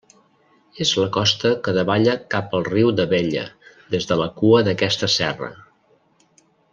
És la costa que davalla cap al riu d'Abella des de la cua d'aquesta serra.